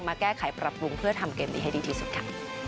มาแก้ไขปรับปรุงเพื่อทำเกมนี้ให้ดีที่สุดค่ะ